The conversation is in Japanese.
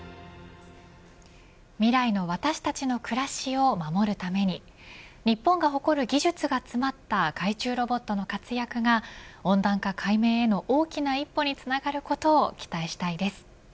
未来の私たちの暮らしを守るために日本が誇る技術が詰まった海中ロボットの活躍が温暖化解明への大きな一歩につながることを期待したいです。